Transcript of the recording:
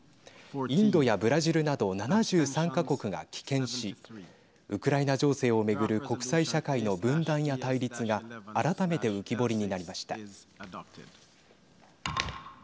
インドやブラジルなど７３か国が棄権しウクライナ情勢を巡る国際社会の分断や対立が改めて浮き彫りになりました。